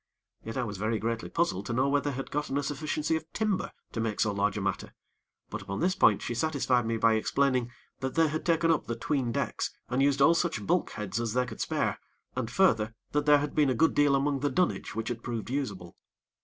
Yet, I was very greatly puzzled to know where they had gotten a sufficiency of timber to make so large a matter; but upon this point she satisfied me by explaining that they had taken up the 'tween decks, and used all such bulkheads as they could spare, and, further, that there had been a good deal among the dunnage which had proved usable.